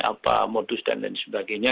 apa modus dan lain sebagainya